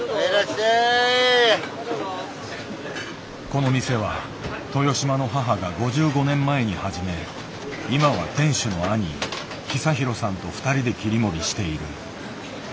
この店は豊島の母が５５年前に始め今は店主の兄久博さんと２人で切り盛りしている。